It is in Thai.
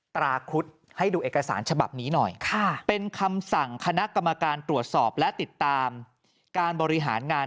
ต้องให้คณะกรรมการตรวจสอบและติดตามการบริหารงาน